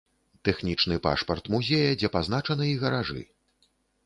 Тэхнічны пашпарт музея, дзе пазначаны і гаражы.